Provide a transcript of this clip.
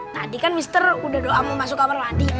tadi kan mr udah doa mau masuk kamar mandi